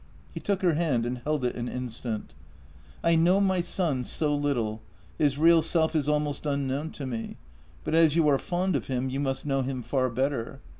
He took her hand and held it an instant. JENNY 135 " I know my son so little — his real self is almost unknown to me, but as you are fond of him you must know him far better.